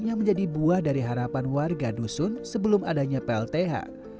yang menjadi buah dari harapan warga dusun sebelum adanya plth